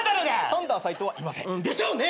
サンダーサイトウはいません。でしょうね。